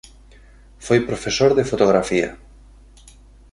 Foi profesor de fotografía.